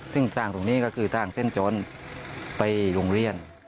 ซึ่งสร้างตรงนี้ก็คือสร้างเส้นจนไปโรงเรียน